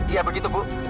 iya begitu bu